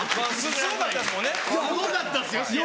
すごかったですよ試合。